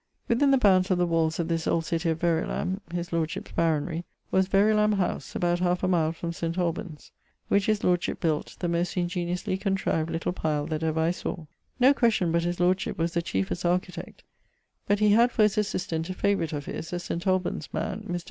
Within the bounds of the walls of this old citie of Verulam (his lordship's Baronry) was Verulam howse, about 1/2 a mile from St. Albans; which his Lordship built, the most ingeniosely contrived little pile[XVIII.], that ever I sawe. No question but his lordship was the chiefest architect; but he had for his assistant a favourite of his (a St. Albans man) Mr.